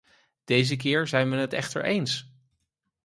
Deze keer zijn we het echter eens.